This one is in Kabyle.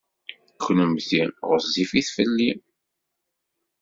Kennemti ɣezzifit fell-i.